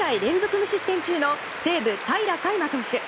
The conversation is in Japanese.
無失点中の西武、平良海馬投手。